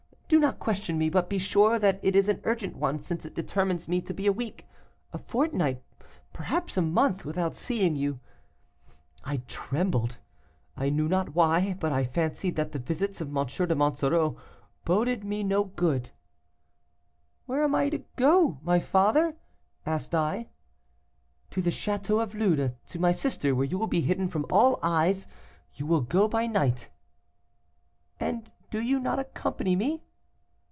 Do not question me, but be sure that it is an urgent one, since it determines me to be a week, a fortnight, perhaps a month, without seeing you.' I trembled, I knew not why, but I fancied that the visits of M. de Monsoreau boded me no good. "'Where am I to go, my father?' asked I. "'To the château of Lude, to my sister, where you will be hidden from all eyes. You will go by night.' 'And do you not accompany me?